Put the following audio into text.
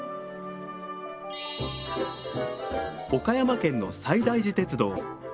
岡山県の西大寺鉄道。